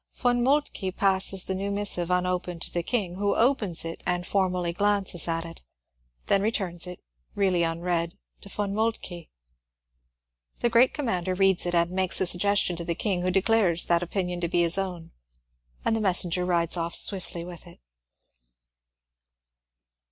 Yon Moltke passes the new missive unopened to the King, who opens and formally glances at it, then re turns it, really unread, to Yon Moltke. The great commander reads it and makes a suggestion to the King, who declares that opinion to be his own, and the messenger rides off swiftly with it.